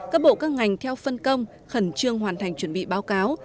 các bộ các ngành theo phân công khẩn trương hoàn thành chuẩn bị báo cáo